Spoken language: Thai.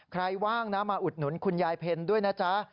ว่างนะมาอุดหนุนคุณยายเพ็ญด้วยนะจ๊ะ